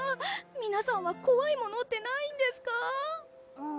皆さんはこわいものってないんですか？